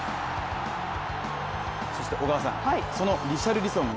そして小川さん、そのリシャルリソン